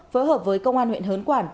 phối hợp với công an huyện hớn quản